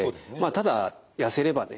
ただ痩せればね